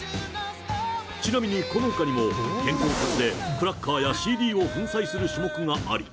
ちなみにこのほかにも、肩甲骨でクラッカーやＣＤを粉砕する種目がある。